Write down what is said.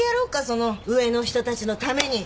その上の人たちのために。